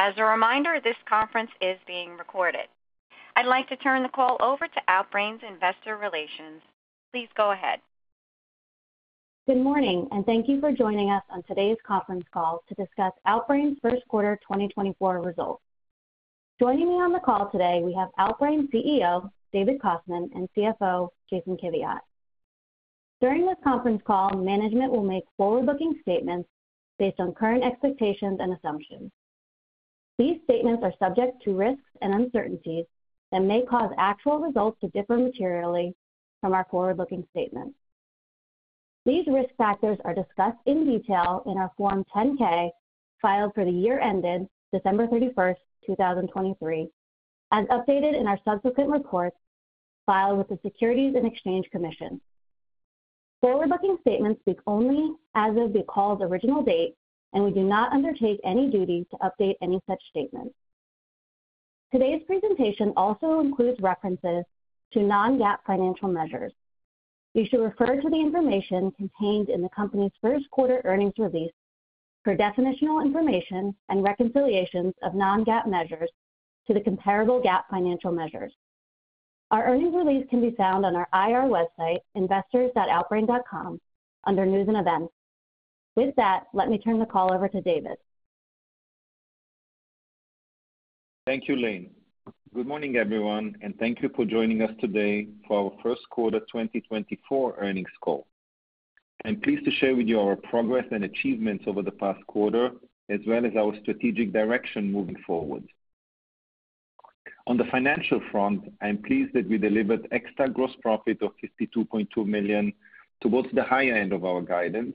As a reminder, this conference is being recorded. I'd like to turn the call over to Outbrain's Investor Relations. Please go ahead. Good morning, and thank you for joining us on today's conference call to discuss Outbrain's First Quarter 2024 Results. Joining me on the call today, we have Outbrain CEO David Kostman and CFO Jason Kiviat. During this conference call, management will make forward-looking statements based on current expectations and assumptions. These statements are subject to risks and uncertainties that may cause actual results to differ materially from our forward-looking statements. These risk factors are discussed in detail in our Form 10-K filed for the year ended December 31st, 2023, as updated in our subsequent reports filed with the Securities and Exchange Commission. Forward-looking statements speak only as of the call's original date, and we do not undertake any duty to update any such statements. Today's presentation also includes references to non-GAAP financial measures. You should refer to the information contained in the company's first quarter earnings release for definitional information and reconciliations of non-GAAP measures to the comparable GAAP financial measures. Our earnings release can be found on our IR website, investors.outbrain.com, under News and Events. With that, let me turn the call over to David. Thank you, Laine. Good morning, everyone, and thank you for joining us today for our first quarter 2024 earnings call. I'm pleased to share with you our progress and achievements over the past quarter, as well as our strategic direction moving forward. On the financial front, I'm pleased that we delivered Ex-TAC gross profit of $52.2 million towards the higher end of our guidance,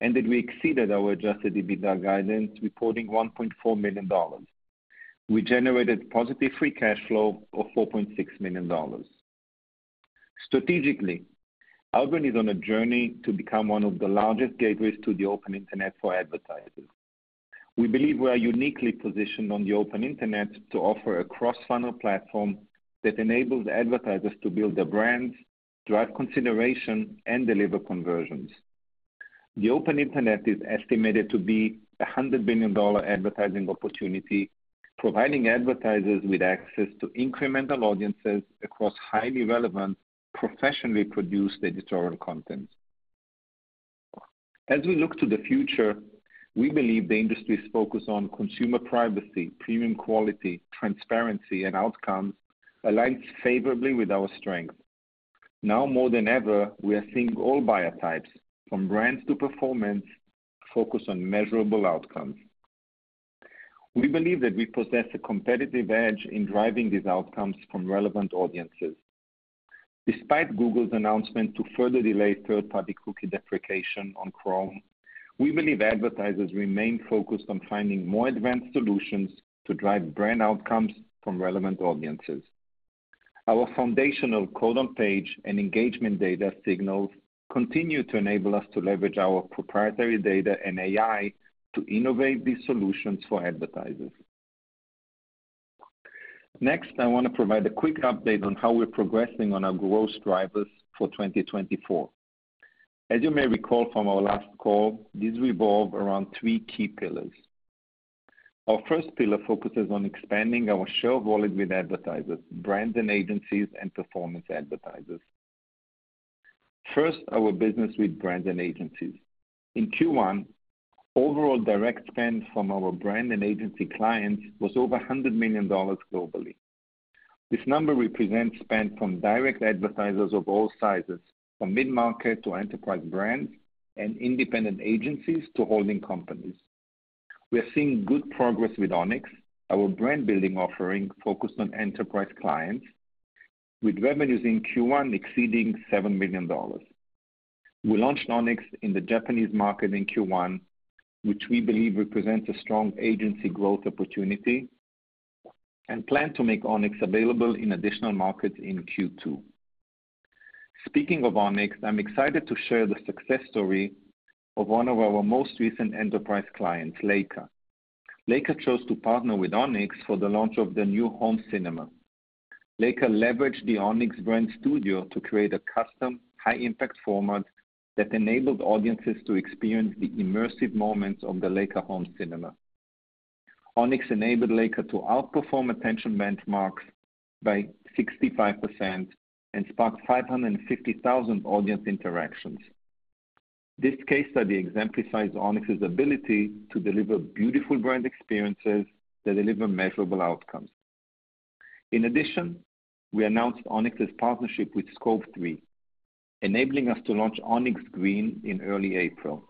and that we exceeded our Adjusted EBITDA guidance, reporting $1.4 million. We generated positive free cash flow of $4.6 million. Strategically, Outbrain is on a journey to become one of the largest gateways to the Open Internet for advertisers. We believe we are uniquely positioned on the Open Internet to offer a cross-funnel platform that enables advertisers to build their brands, drive consideration, and deliver conversions. The Open Internet is estimated to be a $100 billion advertising opportunity, providing advertisers with access to incremental audiences across highly relevant, professionally produced editorial content. As we look to the future, we believe the industry's focus on consumer privacy, premium quality, transparency, and outcomes aligns favorably with our strengths. Now more than ever, we are seeing all buyer types, from brands to performance, focus on measurable outcomes. We believe that we possess a competitive edge in driving these outcomes from relevant audiences. Despite Google's announcement to further delay third-party cookie deprecation on Chrome, we believe advertisers remain focused on finding more advanced solutions to drive brand outcomes from relevant audiences. Our foundational code-on-page and engagement data signals continue to enable us to leverage our proprietary data and AI to innovate these solutions for advertisers. Next, I want to provide a quick update on how we're progressing on our growth drivers for 2024. As you may recall from our last call, these revolve around three key pillars. Our first pillar focuses on expanding our share of wallet with advertisers, brands and agencies, and performance advertisers. First, our business with brands and agencies. In Q1, overall direct spend from our brand and agency clients was over $100 million globally. This number represents spend from direct advertisers of all sizes, from mid-market to enterprise brands, and independent agencies to holding companies. We are seeing good progress with Onyx, our brand-building offering focused on enterprise clients, with revenues in Q1 exceeding $7 million. We launched Onyx in the Japanese market in Q1, which we believe represents a strong agency growth opportunity, and plan to make Onyx available in additional markets in Q2. Speaking of Onyx, I'm excited to share the success story of one of our most recent enterprise clients, Leica. Leica chose to partner with Onyx for the launch of their new home cinema. Leica leveraged the Onyx Brand Studio to create a custom, high-impact format that enabled audiences to experience the immersive moments of the Leica home cinema. Onyx enabled Leica to outperform attention benchmarks by 65% and sparked 550,000 audience interactions. This case study exemplifies Onyx's ability to deliver beautiful brand experiences that deliver measurable outcomes. In addition, we announced Onyx's partnership with Scope3, enabling us to launch OnyxGreen in early April.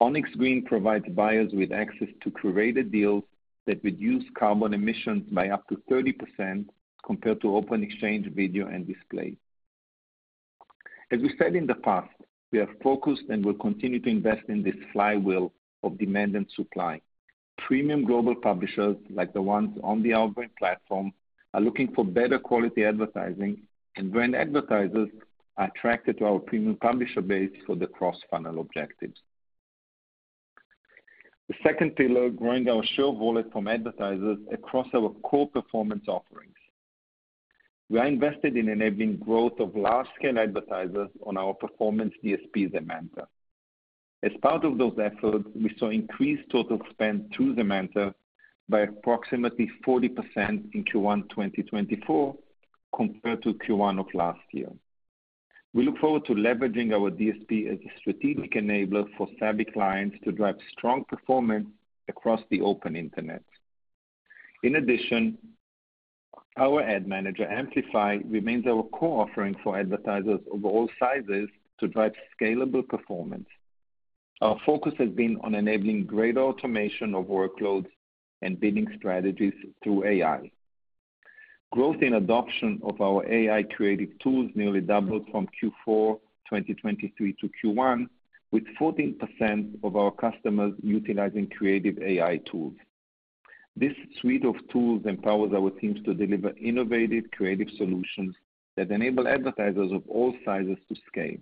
OnyxGreen provides buyers with access to curated deals that reduce carbon emissions by up to 30% compared to open exchange video and display. As we said in the past, we have focused and will continue to invest in this flywheel of demand and supply. Premium global publishers, like the ones on the Outbrain platform, are looking for better quality advertising, and brand advertisers are attracted to our premium publisher base for the cross-funnel objectives. The second pillar, growing our share of wallet from advertisers across our core performance offerings. We are invested in enabling growth of large-scale advertisers on our performance DSPs, Zemanta. As part of those efforts, we saw increased total spend through Zemanta by approximately 40% in Q1 2024 compared to Q1 of last year. We look forward to leveraging our DSP as a strategic enabler for savvy clients to drive strong performance across the Open Internet. In addition, our ad manager, Amplify, remains our core offering for advertisers of all sizes to drive scalable performance. Our focus has been on enabling greater automation of workloads and bidding strategies through AI. Growth in adoption of our AI creative tools nearly doubled from Q4 2023 to Q1, with 14% of our customers utilizing creative AI tools. This suite of tools empowers our teams to deliver innovative, creative solutions that enable advertisers of all sizes to scale.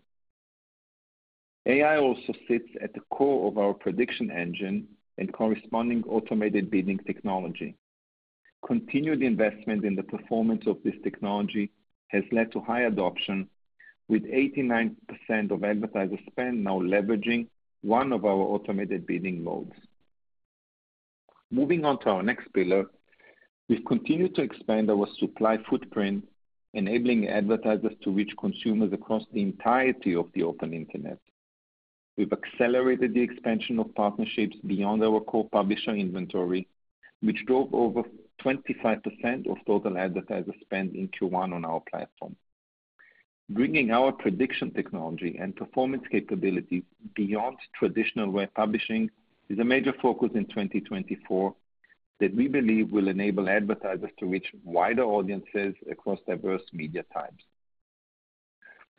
AI also sits at the core of our prediction engine and corresponding automated bidding technology. Continued investment in the performance of this technology has led to high adoption, with 89% of advertiser spend now leveraging one of our automated bidding modes. Moving on to our next pillar, we've continued to expand our supply footprint, enabling advertisers to reach consumers across the entirety of the Open Internet. We've accelerated the expansion of partnerships beyond our core publisher inventory, which drove over 25% of total advertiser spend in Q1 on our platform. Bringing our prediction technology and performance capabilities beyond traditional web publishing is a major focus in 2024 that we believe will enable advertisers to reach wider audiences across diverse media types.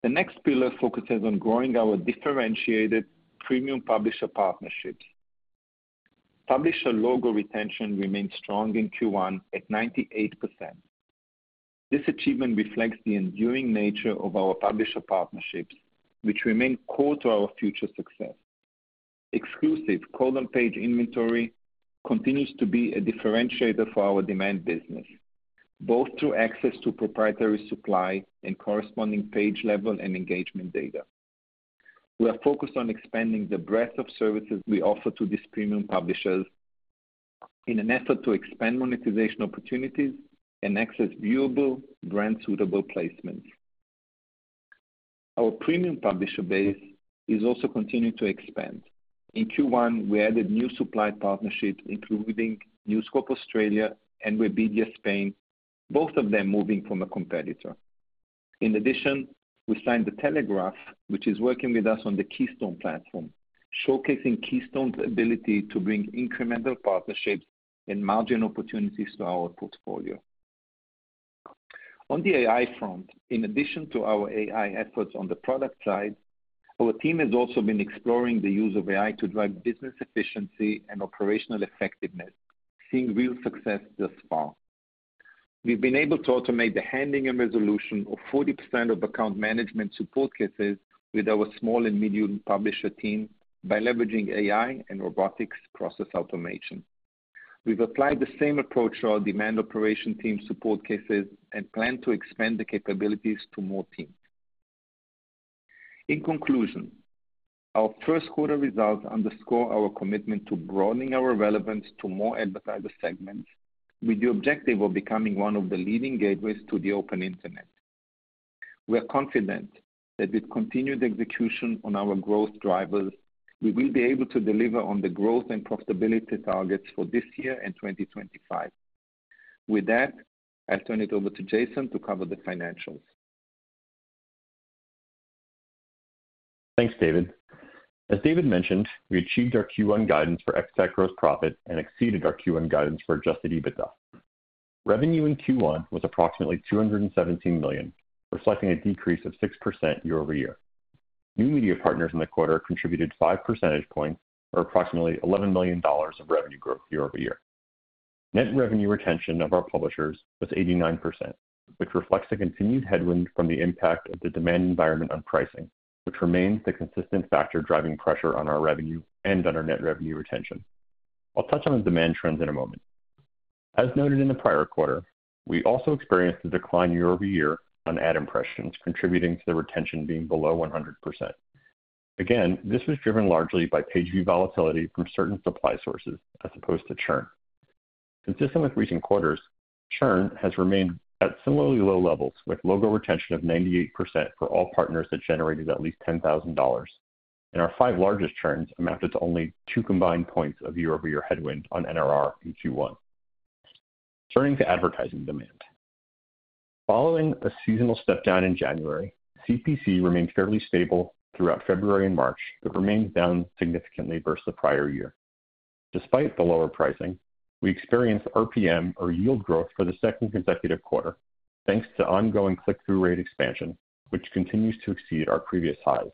The next pillar focuses on growing our differentiated premium publisher partnerships. Publisher logo retention remains strong in Q1 at 98%. This achievement reflects the enduring nature of our publisher partnerships, which remain core to our future success. Exclusive code-on-page inventory continues to be a differentiator for our demand business, both through access to proprietary supply and corresponding page-level and engagement data. We are focused on expanding the breadth of services we offer to these premium publishers in an effort to expand monetization opportunities and access viewable, brand-suitable placements. Our premium publisher base is also continuing to expand. In Q1, we added new supply partnerships, including News Corp Australia and Webedia Spain, both of them moving from a competitor. In addition, we signed the Telegraph, which is working with us on the Keystone platform, showcasing Keystone's ability to bring incremental partnerships and margin opportunities to our portfolio. On the AI front, in addition to our AI efforts on the product side, our team has also been exploring the use of AI to drive business efficiency and operational effectiveness, seeing real success thus far. We've been able to automate the handling and resolution of 40% of account management support cases with our small and medium publisher team by leveraging AI and robotics process automation. We've applied the same approach to our demand operation team support cases and plan to expand the capabilities to more teams. In conclusion, our first quarter results underscore our commitment to broadening our relevance to more advertiser segments, with the objective of becoming one of the leading gateways to the Open Internet. We are confident that with continued execution on our growth drivers, we will be able to deliver on the growth and profitability targets for this year and 2025. With that, I'll turn it over to Jason to cover the financials. Thanks, David. As David mentioned, we achieved our Q1 guidance for Ex-TAC gross profit and exceeded our Q1 guidance for adjusted EBITDA. Revenue in Q1 was approximately $217 million, reflecting a decrease of 6% year-over-year. New media partners in the quarter contributed 5 percentage points, or approximately $11 million of revenue growth year-over-year. Net revenue retention of our publishers was 89%, which reflects a continued headwind from the impact of the demand environment on pricing, which remains the consistent factor driving pressure on our revenue and on our net revenue retention. I'll touch on the demand trends in a moment. As noted in the prior quarter, we also experienced a decline year-over-year on ad impressions, contributing to the retention being below 100%. Again, this was driven largely by page-view volatility from certain supply sources as opposed to churn. Consistent with recent quarters, churn has remained at similarly low levels, with logo retention of 98% for all partners that generated at least $10,000, and our five largest churns amounted to only two combined points of year-over-year headwind on NRR in Q1. Turning to advertising demand. Following a seasonal stepdown in January, CPC remained fairly stable throughout February and March, but remained down significantly versus the prior year. Despite the lower pricing, we experienced RPM, or yield growth, for the second consecutive quarter, thanks to ongoing click-through rate expansion, which continues to exceed our previous highs.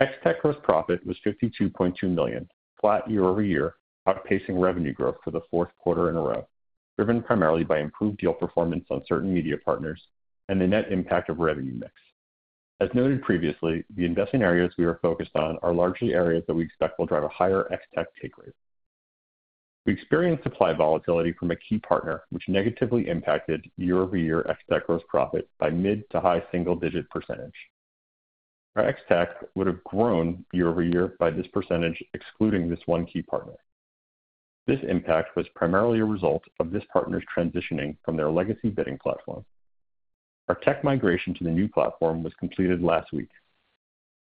Ex-TAC gross profit was $52.2 million, flat year-over-year, outpacing revenue growth for the fourth quarter in a row, driven primarily by improved deal performance on certain media partners and the net impact of revenue mix. As noted previously, the investment areas we were focused on are largely areas that we expect will drive a higher Ex-TAC take rate. We experienced supply volatility from a key partner, which negatively impacted year-over-year Ex-TAC gross profit by mid- to high-single-digit percentage. Our Ex-TAC would have grown year-over-year by this percentage, excluding this one key partner. This impact was primarily a result of this partner's transitioning from their legacy bidding platform. Our tech migration to the new platform was completed last week.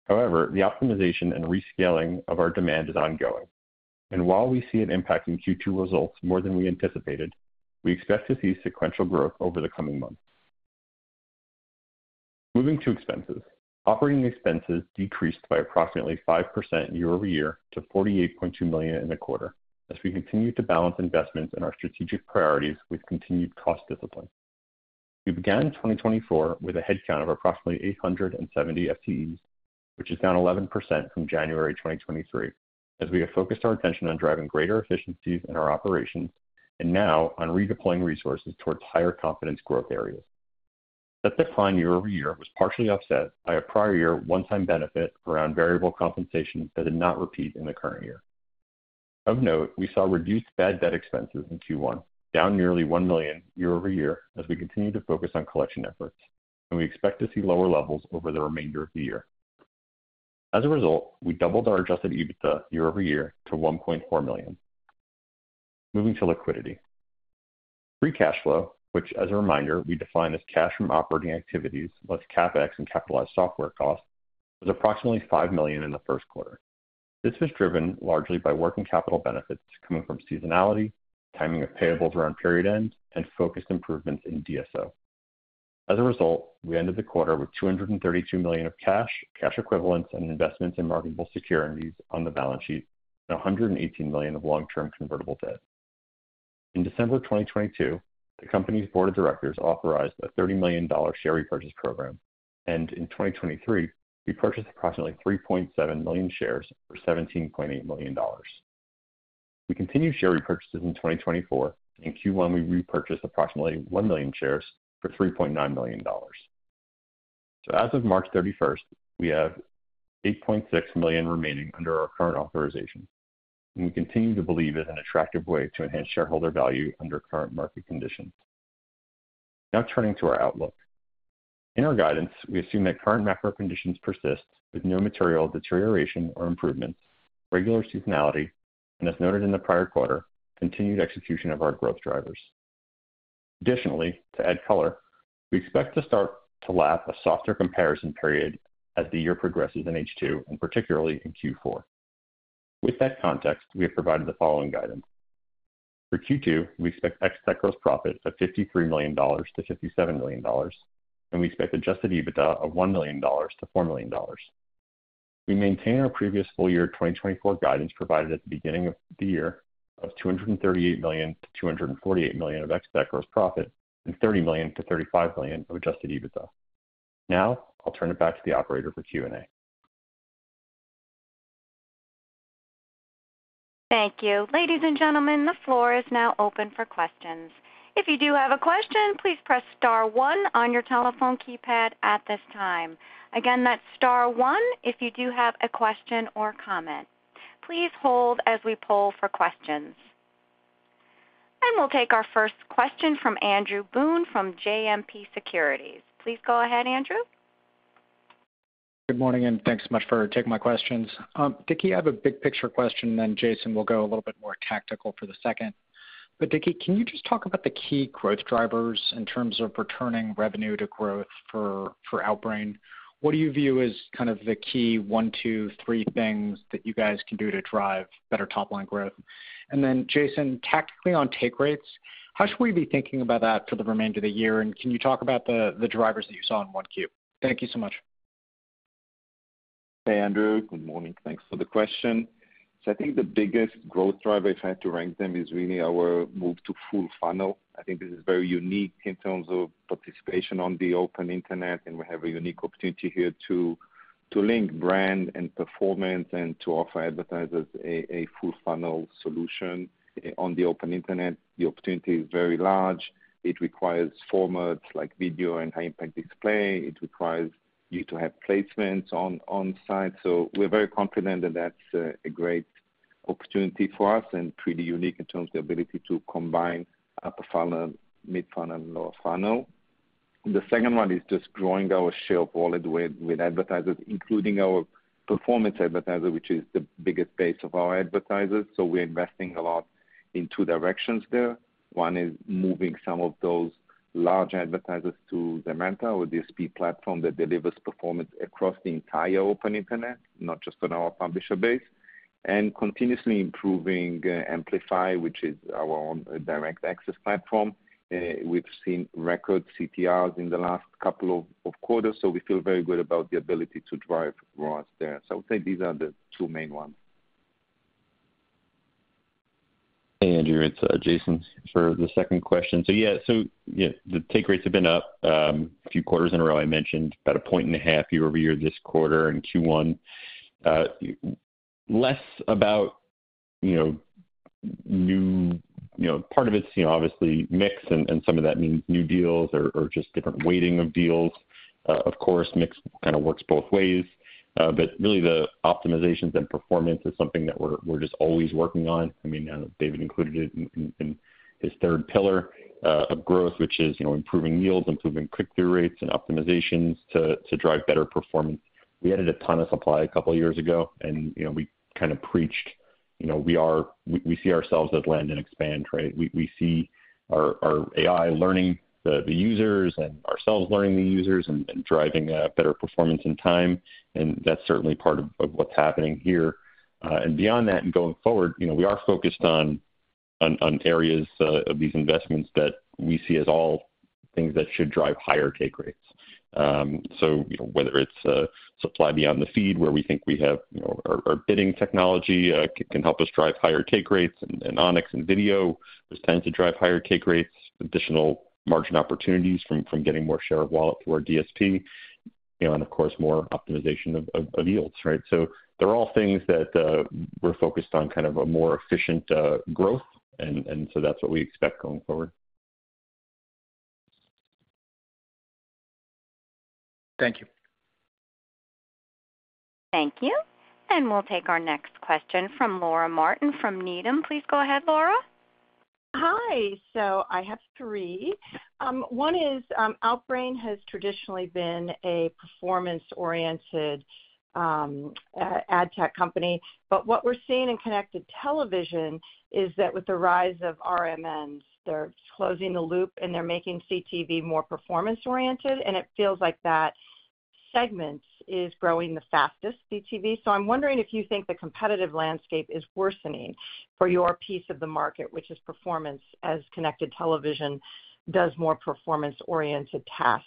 However, the optimization and rescaling of our demand is ongoing, and while we see it impacting Q2 results more than we anticipated, we expect to see sequential growth over the coming months. Moving to expenses, operating expenses decreased by approximately 5% year-over-year to $48.2 million in the quarter as we continue to balance investments and our strategic priorities with continued cost discipline. We began 2024 with a headcount of approximately 870 FTEs, which is down 11% from January 2023, as we have focused our attention on driving greater efficiencies in our operations and now on redeploying resources towards higher confidence growth areas. That decline year-over-year was partially offset by a prior year one-time benefit around variable compensation that did not repeat in the current year. Of note, we saw reduced bad debt expenses in Q1, down nearly $1 million year-over-year as we continue to focus on collection efforts, and we expect to see lower levels over the remainder of the year. As a result, we doubled our adjusted EBITDA year-over-year to $1.4 million. Moving to liquidity, free cash flow, which, as a reminder, we define as cash from operating activities plus CapEx and capitalized software costs, was approximately $5 million in the first quarter. This was driven largely by working capital benefits coming from seasonality, timing of payables around period end, and focused improvements in DSO. As a result, we ended the quarter with $232 million of cash, cash equivalents, and investments in marketable securities on the balance sheet, and $118 million of long-term convertible debt. In December 2022, the company's board of directors authorized a $30 million share repurchase program, and in 2023, we purchased approximately 3.7 million shares for $17.8 million. We continued share repurchases in 2024, and in Q1, we repurchased approximately 1 million shares for $3.9 million. So as of March 31st, we have 8.6 million remaining under our current authorization, and we continue to believe it is an attractive way to enhance shareholder value under current market conditions. Now turning to our outlook. In our guidance, we assume that current macro conditions persist with no material deterioration or improvements, regular seasonality, and, as noted in the prior quarter, continued execution of our growth drivers. Additionally, to add color, we expect to start to lap a softer comparison period as the year progresses in H2, and particularly in Q4. With that context, we have provided the following guidance. For Q2, we expect Ex-TAC gross profit of $53 million-$57 million, and we expect adjusted EBITDA of $1 million-$4 million. We maintain our previous full year 2024 guidance provided at the beginning of the year of $238 million-$248 million of Ex-TAC gross profit and $30 million-$35 million of adjusted EBITDA. Now I'll turn it back to the operator for Q&A. Thank you. Ladies and gentlemen, the floor is now open for questions. If you do have a question, please press star one on your telephone keypad at this time. Again, that's star one if you do have a question or comment. Please hold as we pull for questions. We'll take our first question from Andrew Boone from JMP Securities. Please go ahead, Andrew. Good morning, and thanks so much for taking my questions. DK, I have a big picture question, and then Jason will go a little bit more tactical for the second. But DK, can you just talk about the key growth drivers in terms of returning revenue to growth for Outbrain? What do you view as kind of the key one, two, three things that you guys can do to drive better top-line growth? And then Jason, tactically on take rates, how should we be thinking about that for the remainder of the year? And can you talk about the drivers that you saw in 1Q? Thank you so much. Hey, Andrew. Good morning. Thanks for the question. So I think the biggest growth driver, if I had to rank them, is really our move to full funnel. I think this is very unique in terms of participation on the Open Internet, and we have a unique opportunity here to link brand and performance and to offer advertisers a full funnel solution on the Open Internet. The opportunity is very large. It requires formats like video and high-impact display. It requires you to have placements on-site. So we're very confident that that's a great opportunity for us and pretty unique in terms of the ability to combine upper funnel, mid-funnel, and lower funnel. The second one is just growing our share of wallet with advertisers, including our performance advertiser, which is the biggest base of our advertisers. So we're investing a lot in two directions there. One is moving some of those large advertisers to Zemanta or the DSP platform that delivers performance across the entire Open Internet, not just on our publisher base, and continuously improving Amplify, which is our own direct access platform. We've seen record CTRs in the last couple of quarters, so we feel very good about the ability to drive growth there. So I would say these are the two main ones. Hey, Andrew. It's Jason for the second question. So yeah, the take rates have been up a few quarters in a row. I mentioned about 1.5 points year-over-year this quarter in Q1. Less about new part of it's, obviously, mix, and some of that means new deals or just different weighting of deals. Of course, mix kind of works both ways. But really, the optimizations and performance is something that we're just always working on. I mean, now David included it in his third pillar of growth, which is improving yields, improving click-through rates, and optimizations to drive better performance. We added a ton of supply a couple of years ago, and we kind of preached, "We see ourselves as land and expand," right? We see our AI learning the users and ourselves learning the users and driving better performance in time. And that's certainly part of what's happening here. And beyond that and going forward, we are focused on areas of these investments that we see as all things that should drive higher take rates. So whether it's supply beyond the feed, where we think we have our bidding technology can help us drive higher take rates, and Onyx and video tend to drive higher take rates, additional margin opportunities from getting more share of wallet to our DSP, and of course, more optimization of yields, right? So they're all things that we're focused on kind of a more efficient growth, and so that's what we expect going forward. Thank you. Thank you. We'll take our next question from Laura Martin from Needham. Please go ahead, Laura. Hi. I have three. One is Outbrain has traditionally been a performance-oriented ad tech company, but what we're seeing in connected television is that with the rise of RMNs, they're closing the loop, and they're making CTV more performance-oriented, and it feels like that segment is growing the fastest, CTV. I'm wondering if you think the competitive landscape is worsening for your piece of the market, which is performance, as connected television does more performance-oriented tasks.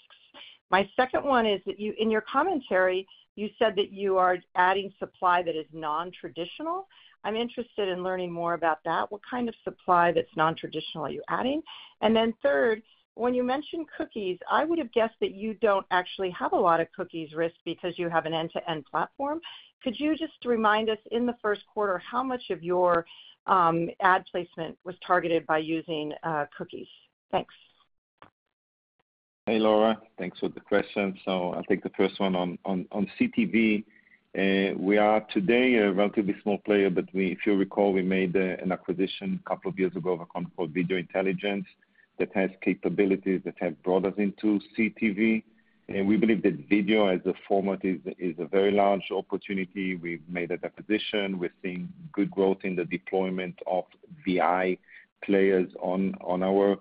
My second one is that in your commentary, you said that you are adding supply that is non-traditional. I'm interested in learning more about that. What kind of supply that's non-traditional are you adding? And then third, when you mentioned cookies, I would have guessed that you don't actually have a lot of cookies risk because you have an end-to-end platform. Could you just remind us in the first quarter how much of your ad placement was targeted by using cookies? Thanks. Hey, Laura. Thanks for the question. So I'll take the first one. On CTV, we are today a relatively small player, but if you recall, we made an acquisition a couple of years ago of a company called Video Intelligence that has capabilities that have brought us into CTV. And we believe that video as a format is a very large opportunity. We've made that acquisition. We're seeing good growth in the deployment of VI players on our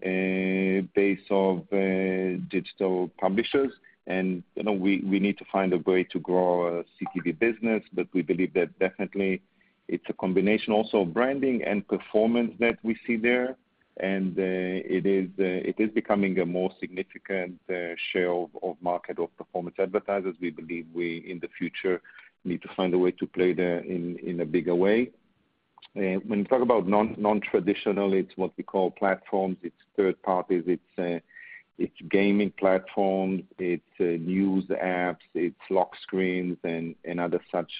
base of digital publishers. And we need to find a way to grow our CTV business, but we believe that definitely it's a combination also of branding and performance that we see there. And it is becoming a more significant share of market of performance advertisers. We believe we, in the future, need to find a way to play there in a bigger way. When we talk about non-traditional, it's what we call platforms. It's third parties. It's gaming platforms. It's news apps. It's lock screens and other such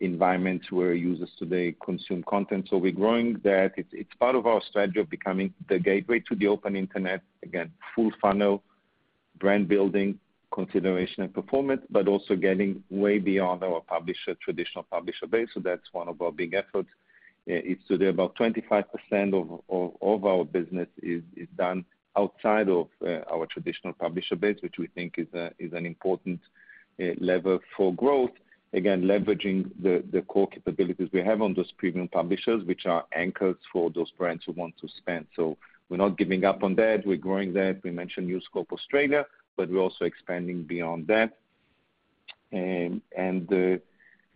environments where users today consume content. So we're growing that. It's part of our strategy of becoming the gateway to the Open Internet. Again, full funnel, brand building, consideration, and performance, but also getting way beyond our traditional publisher base. So that's one of our big efforts. It's today about 25% of our business is done outside of our traditional publisher base, which we think is an important lever for growth. Again, leveraging the core capabilities we have on those premium publishers, which are anchors for those brands who want to spend. So we're not giving up on that. We're growing that. We mentioned News Corp Australia, but we're also expanding beyond that. And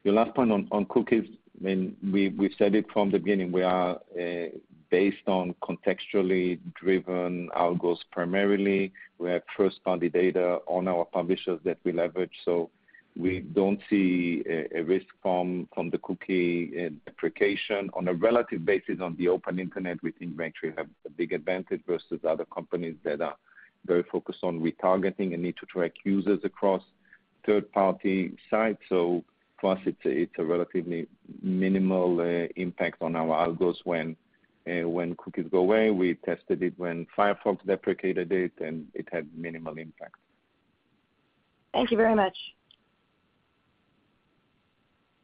your last point on cookies, we've said it from the beginning. We are based on contextually driven algos primarily. We have first-party data on our publishers that we leverage. We don't see a risk from the cookie deprecation. On a relative basis, on the Open Internet, we think Venture has a big advantage versus other companies that are very focused on retargeting and need to track users across third-party sites. For us, it's a relatively minimal impact on our algos when cookies go away. We tested it when Firefox deprecated it, and it had minimal impact. Thank you very much.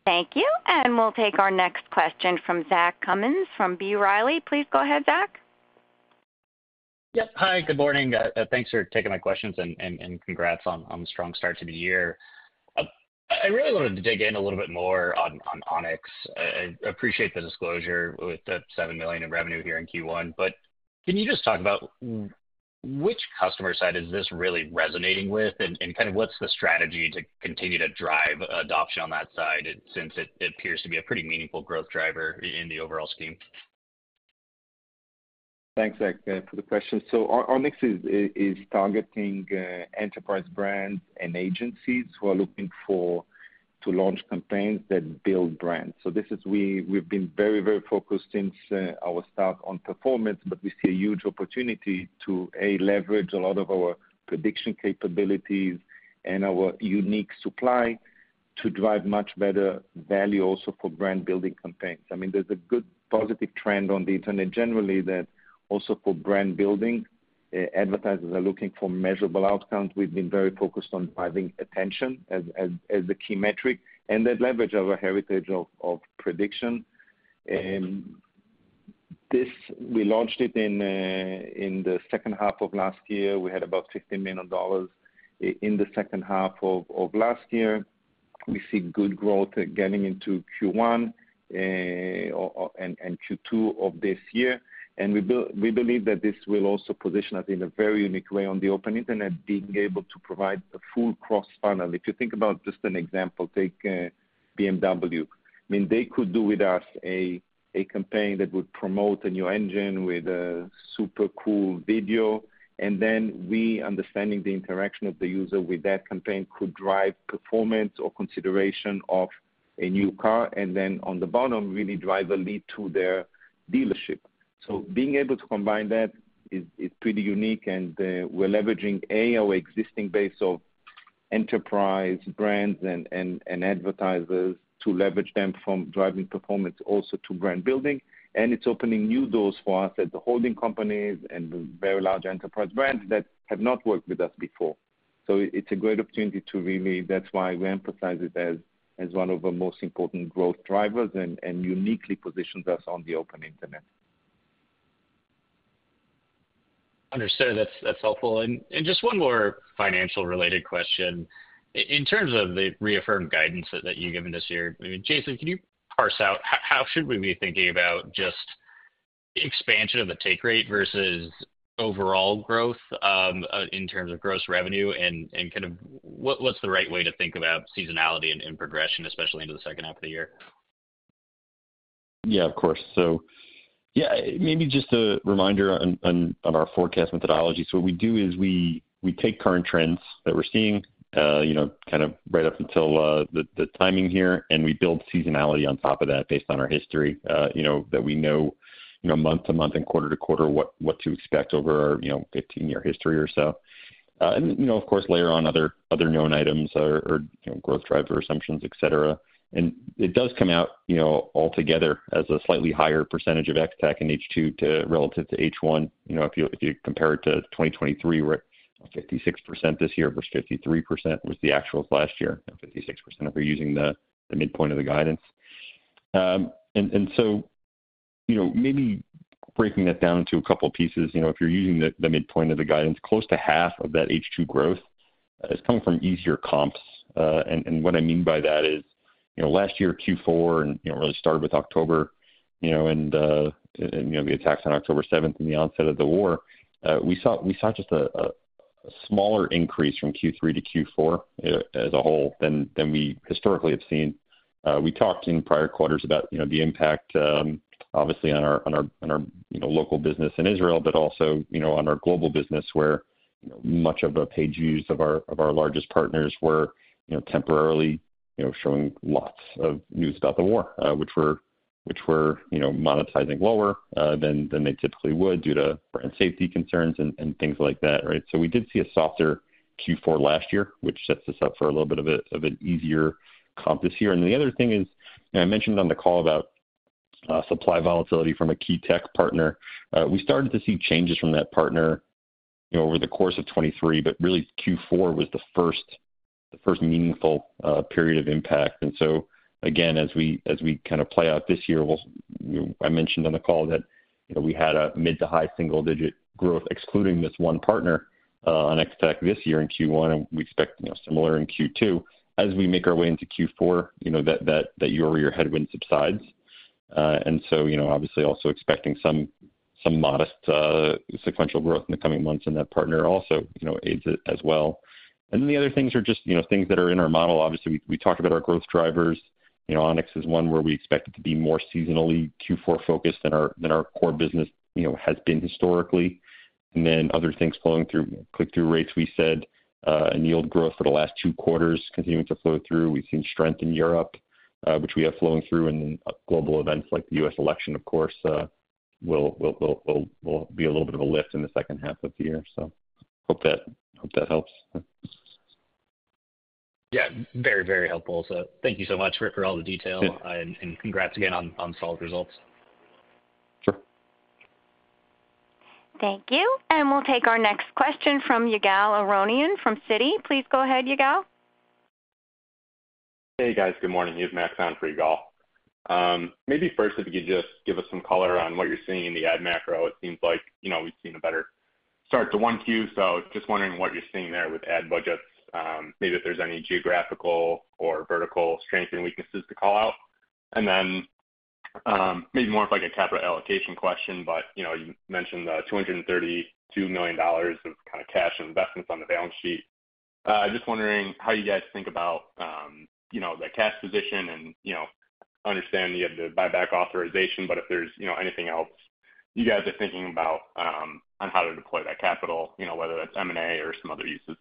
Thank you. And we'll take our next question from Zach Cummins from B. Riley. Please go ahead, Zach. Yep. Hi. Good morning. Thanks for taking my questions and congrats on the strong start to the year. I really wanted to dig in a little bit more on Onyx. I appreciate the disclosure with the $7 million in revenue here in Q1, but can you just talk about which customer side is this really resonating with, and kind of what's the strategy to continue to drive adoption on that side since it appears to be a pretty meaningful growth driver in the overall scheme? Thanks, Zach, for the question. So Onyx is targeting enterprise brands and agencies who are looking to launch campaigns that build brands. So we've been very, very focused since our start on performance, but we see a huge opportunity to a, leverage a lot of our prediction capabilities and our unique supply to drive much better value also for brand-building campaigns. I mean, there's a good positive trend on the internet generally that also for brand-building, advertisers are looking for measurable outcomes. We've been very focused on driving attention as the key metric, and that leverage our heritage of prediction. We launched it in the second half of last year. We had about $50 million in the second half of last year. We see good growth getting into Q1 and Q2 of this year. And we believe that this will also position us in a very unique way on the Open Internet, being able to provide a full cross-funnel. If you think about just an example, take BMW. I mean, they could do with us a campaign that would promote a new engine with a super cool video, and then we, understanding the interaction of the user with that campaign, could drive performance or consideration of a new car and then, on the bottom, really drive a lead to their dealership. So being able to combine that is pretty unique, and we're leveraging, A, our existing base of enterprise brands and advertisers to leverage them from driving performance also to brand-building. And it's opening new doors for us at the holding companies and very large enterprise brands that have not worked with us before. It's a great opportunity to really. That's why we emphasize it as one of our most important growth drivers and uniquely positions us on the Open Internet. Understood. That's helpful. Just one more financial-related question. In terms of the reaffirmed guidance that you've given this year, I mean, Jason, can you parse out how should we be thinking about just expansion of the take rate versus overall growth in terms of gross revenue, and kind of what's the right way to think about seasonality and progression, especially into the second half of the year? Yeah, of course. So yeah, maybe just a reminder on our forecast methodology. So what we do is we take current trends that we're seeing kind of right up until the timing here, and we build seasonality on top of that based on our history that we know month to month and quarter to quarter what to expect over our 15-year history or so. And of course, layer on other known items or growth driver assumptions, etc. And it does come out altogether as a slightly higher percentage of Ex-TAC in H2 relative to H1. If you compare it to 2023, we're at 56% this year versus 53% was the actuals last year, 56% if we're using the midpoint of the guidance. And so maybe breaking that down into a couple of pieces, if you're using the midpoint of the guidance, close to half of that H2 growth is coming from easier comps. And what I mean by that is last year, Q4, and it really started with October and the attacks on October 7th and the onset of the war, we saw just a smaller increase from Q3 to Q4 as a whole than we historically have seen. We talked in prior quarters about the impact, obviously, on our local business in Israel, but also on our global business where much of the page views of our largest partners were temporarily showing lots of news about the war, which we're monetizing lower than they typically would due to brand safety concerns and things like that, right? So we did see a softer Q4 last year, which sets us up for a little bit of an easier comp this year. And the other thing is I mentioned on the call about supply volatility from a key tech partner. We started to see changes from that partner over the course of 2023, but really, Q4 was the first meaningful period of impact. And so again, as we kind of play out this year, I mentioned on the call that we had a mid- to high single-digit growth excluding this one partner on Ex-TAC this year in Q1, and we expect similar in Q2. As we make our way into Q4, that year headwind subsides. And so obviously, also expecting some modest sequential growth in the coming months, and that partner also aids it as well. Then the other things are just things that are in our model. Obviously, we talked about our growth drivers. Onyx is one where we expect it to be more seasonally Q4-focused than our core business has been historically. And then other things flowing through, click-through rates, we said, and yield growth for the last two quarters continuing to flow through. We've seen strength in Europe, which we have flowing through, and then global events like the U.S. election, of course, will be a little bit of a lift in the second half of the year. So, hope that helps. Yeah. Very, very helpful. So thank you so much for all the detail, and congrats again on solid results. Sure. Thank you. And we'll take our next question from Ygal Arounian from Citi. Please go ahead, Ygal. Hey, guys. Good morning. It's Max on for Ygal. Maybe first, if you could just give us some color on what you're seeing in the ad macro. It seems like we've seen a better start to 1Q, so just wondering what you're seeing there with ad budgets, maybe if there's any geographical or vertical strengths and weaknesses to call out. And then maybe more of a capital allocation question, but you mentioned the $232 million of kind of cash investments on the balance sheet. Just wondering how you guys think about that cash position and understanding you have the buyback authorization, but if there's anything else you guys are thinking about on how to deploy that capital, whether that's M&A or some other uses.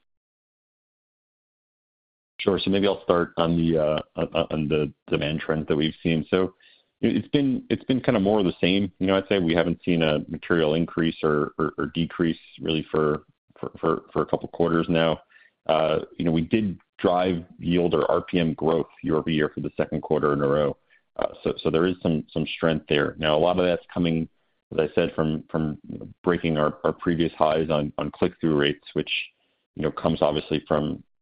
Sure. So maybe I'll start on the demand trends that we've seen. So it's been kind of more of the same, I'd say. We haven't seen a material increase or decrease really for a couple of quarters now. We did drive yield or RPM growth year-over-year for the second quarter in a row. So there is some strength there. Now, a lot of that's coming, as I said, from breaking our previous highs on click-through rates, which comes, obviously,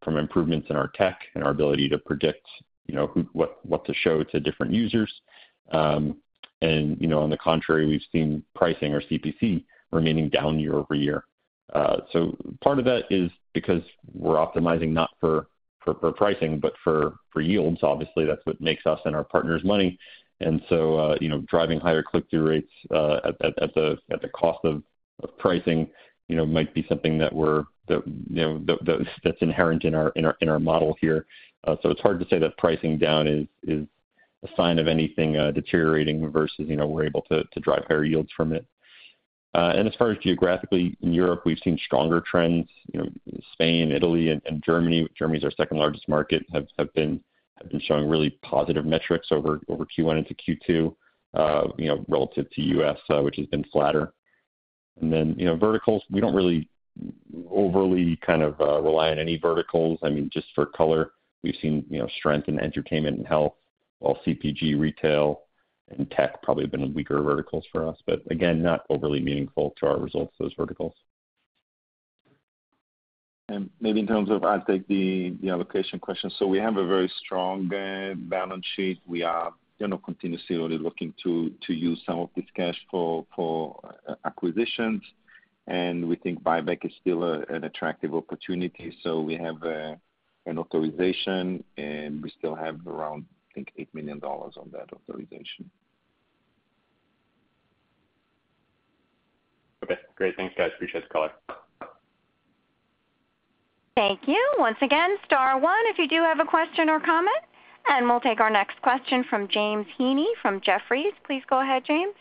from improvements in our tech and our ability to predict what to show to different users. And on the contrary, we've seen pricing or CPC remaining down year-over-year. So part of that is because we're optimizing not for pricing, but for yields. Obviously, that's what makes us and our partners money. And so driving higher click-through rates at the cost of pricing might be something that's inherent in our model here. So it's hard to say that pricing down is a sign of anything deteriorating versus we're able to drive higher yields from it. And as far as geographically, in Europe, we've seen stronger trends. Spain, Italy, and Germany - Germany's our second-largest market - have been showing really positive metrics over Q1 into Q2 relative to U.S., which has been flatter. And then verticals, we don't really overly kind of rely on any verticals. I mean, just for color, we've seen strength in entertainment and health, while CPG, retail, and tech probably have been weaker verticals for us. But again, not overly meaningful to our results, those verticals. Maybe in terms of, I'll take the allocation question. So we have a very strong balance sheet. We are continuously really looking to use some of this cash for acquisitions, and we think buyback is still an attractive opportunity. So we have an authorization, and we still have around, I think, $8 million on that authorization. Okay. Great. Thanks, guys. Appreciate the color. Thank you. Once again, star one if you do have a question or comment. We'll take our next question from James Heaney from Jefferies. Please go ahead, James.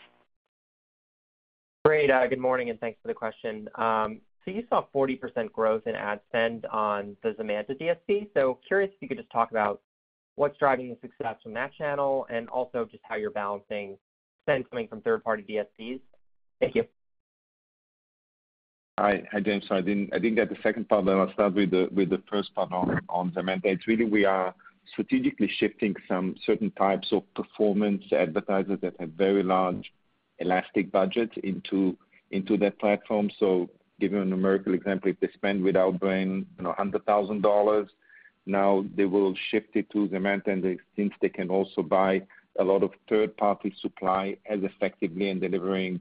Great. Good morning, and thanks for the question. So you saw 40% growth in ad spend on the Zemanta DSP. So curious if you could just talk about what's driving the success from that channel and also just how you're balancing spend coming from third-party DSPs. Thank you. Hi, James. Sorry. I didn't get the second part, but I'll start with the first part on Zemanta. It's really we are strategically shifting some certain types of performance advertisers that have very large elastic budgets into that platform. So giving a numerical example, if they spend with Outbrain $100,000, now they will shift it to Zemanta since they can also buy a lot of third-party supply as effectively and delivering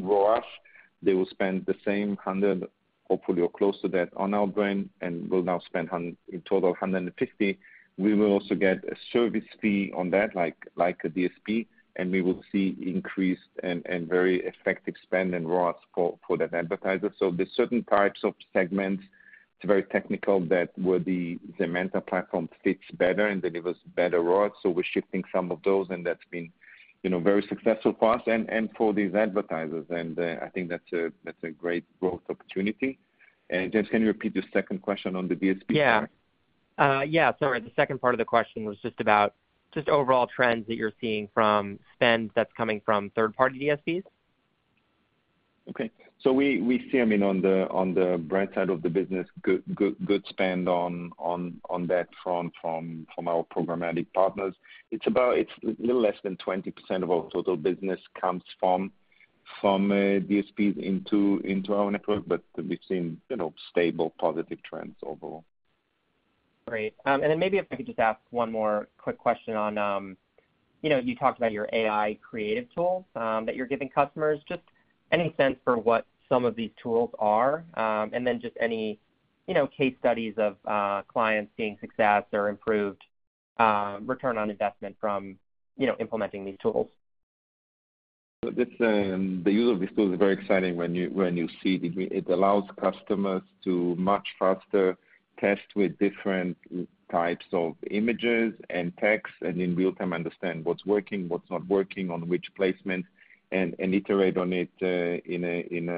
ROAS. They will spend the same $100,000, hopefully, or close to that on Outbrain and will now spend in total $150,000. We will also get a service fee on that like a DSP, and we will see increased and very effective spend and ROAS for that advertiser. So there's certain types of segments—it's very technical—that where the Zemanta platform fits better and delivers better ROAS. So we're shifting some of those, and that's been very successful for us and for these advertisers. I think that's a great growth opportunity. James, can you repeat your second question on the DSP part? Yeah. Yeah. Sorry. The second part of the question was just about just overall trends that you're seeing from spend that's coming from third-party DSPs. Okay. So we see, I mean, on the brand side of the business, good spend on that front from our programmatic partners. It's a little less than 20% of our total business comes from DSPs into our network, but we've seen stable, positive trends overall. Great. And then maybe if I could just ask one more quick question on you talked about your AI creative tool that you're giving customers. Just any sense for what some of these tools are and then just any case studies of clients seeing success or improved return on investment from implementing these tools. So the use of these tools is very exciting when you see it allows customers to much faster test with different types of images and text and in real time understand what's working, what's not working, on which placement, and iterate on it in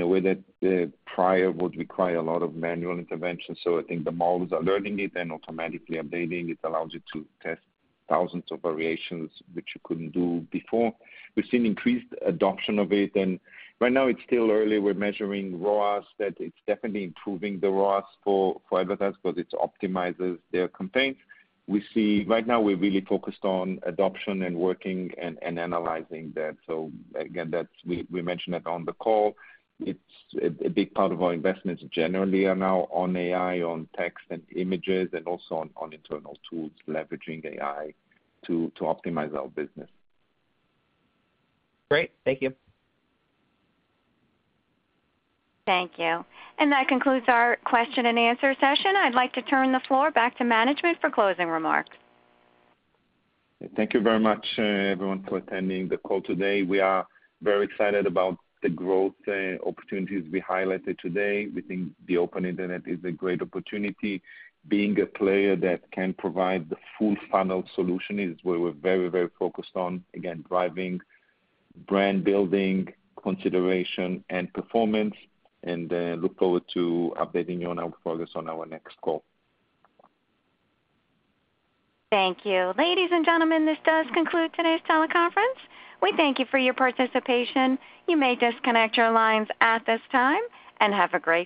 a way that prior would require a lot of manual intervention. So I think the models are learning it and automatically updating. It allows you to test thousands of variations, which you couldn't do before. We've seen increased adoption of it. And right now, it's still early. We're measuring ROAS that it's definitely improving the ROAS for advertisers because it optimizes their campaigns. Right now, we're really focused on adoption and working and analyzing that. So again, we mentioned it on the call. A big part of our investments generally are now on AI, on text and images, and also on internal tools leveraging AI to optimize our business. Great. Thank you. Thank you. That concludes our question-and-answer session. I'd like to turn the floor back to management for closing remarks. Thank you very much, everyone, for attending the call today. We are very excited about the growth opportunities we highlighted today. We think the Open Internet is a great opportunity. Being a player that can provide the full-funnel solution is where we're very, very focused on, again, driving brand-building, consideration, and performance. And look forward to updating you on our progress on our next call. Thank you. Ladies and gentlemen, this does conclude today's teleconference. We thank you for your participation. You may disconnect your lines at this time and have a great.